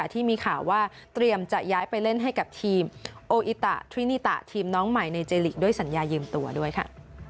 ที่มีข่าวว่าเตรียมจะย้ายไปเล่นให้กับทีมโออิตะทรินิตะทีมน้องใหม่ในเจลีกด้วยสัญญายืมตัวด้วยค่ะ